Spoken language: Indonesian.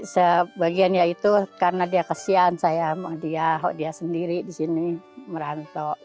sebagiannya itu karena dia kesian saya sama dia dia sendiri di sini merantau